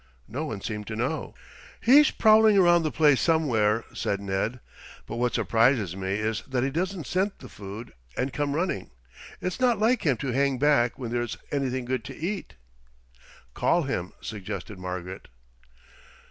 No one seemed to know. "He's prowling around the place somewhere," said Ned. "But what surprises me is that he doesn't scent the food and come running. It's not like him to hang back when there is anything good to eat." "Call him," suggested Margaret.